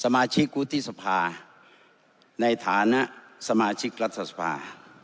สมาชิกวุฒิสภาในฐานะสมาชิกรัฐสภา